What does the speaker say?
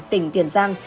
tỉnh tiền giang